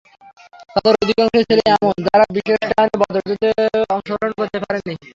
তাদের অধিকাংশই ছিল এমন, যারা বিশেষ কারণে বদর যুদ্ধে অংশ গ্রহণ করতে পারেনি।